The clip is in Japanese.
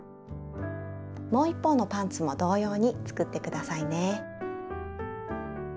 もう一方のパンツも同様に作って下さいね。